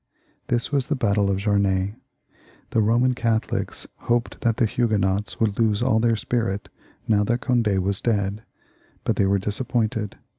This was the battle of Jamac. The Eoman Catholics hoped that the Huguenots would lose aU their spirit now Cond6 was dead, but they were disappointed.